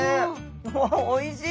わおいしい。